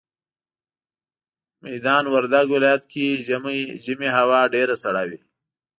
ميدان وردګ ولايت کي ژمي هوا ډيره سړه وي